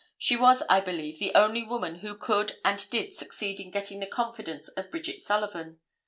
She was, I believe, the only woman who could and did succeed in getting the confidence of Bridget Sullivan.